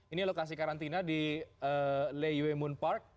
ini lokasi karantina di lei yue moon park